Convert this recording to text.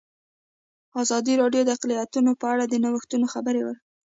ازادي راډیو د اقلیتونه په اړه د نوښتونو خبر ورکړی.